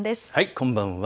こんばんは。